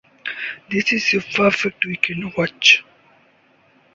This is your perfect weekend watch.